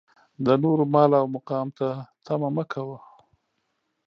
د نورو مال او مقام ته طمعه مه کوه.